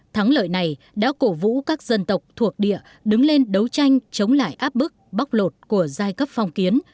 thắng lợi này đã cổ vũ các dân tộc thuộc địa đứng lên đấu tranh chống lại áp bức bóc lột của giai cấp phong kiến